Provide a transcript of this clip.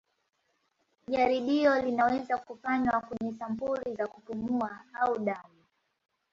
Jaribio linaweza kufanywa kwenye sampuli za kupumua au damu.